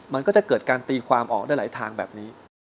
มันก็จะเกิดการตีความออกได้หลายทางแบบนี้